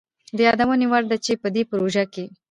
د يادوني وړ ده چي په دې پروژه کي